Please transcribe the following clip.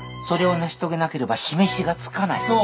それを成し遂げなければ示しがつかない。